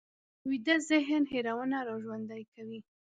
ویده ذهن هېرونه راژوندي کوي